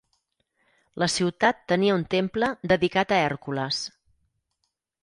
La ciutat tenia un temple dedicat a Hèrcules.